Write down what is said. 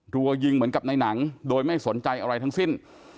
รัวยิงเหมือนกับในหนังโดยไม่สนใจอะไรทั้งสิ้น